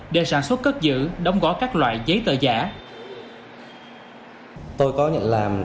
để sản xuất cất giữ đóng gói các loại giấy tờ giả